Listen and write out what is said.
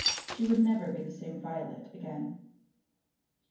She would never be the same Violet again.